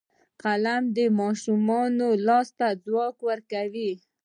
قلم د ماشوم لاس ته ځواک ورکوي